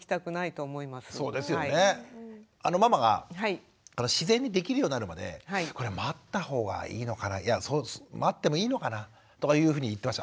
ママが自然にできるようになるまで待った方がいいのかないや待ってもいいのかなとかいうふうに言ってました。